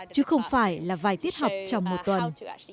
chứ không phải là vài tiết học trong một tuần